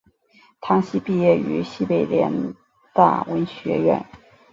唐祈毕业于西北联大文学院。